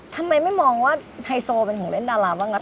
ทำไมไม่มองว่าไฮโซเป็นของเล่นดาราบ้างนะ